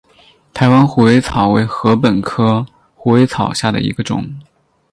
台湾虎尾草为禾本科虎尾草下的一个种。